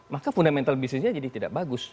maka fundamental bisnisnya jadi tidak bagus